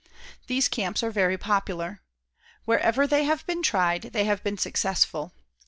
These camps are very popular. Wherever they have been tried, they have been successful.